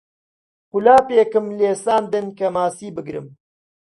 قولاپێکم لێ ساندن کە ماسی بگرم